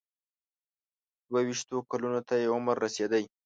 دوه ویشتو کلونو ته یې عمر رسېدی.